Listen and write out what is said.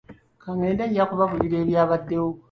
Ka ngende nja kubabuulira ebyabaddewo.